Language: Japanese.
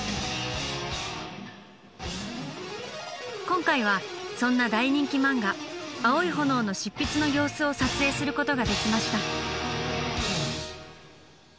今回はそんな大人気漫画「アオイホノオ」の執筆の様子を撮影することができました。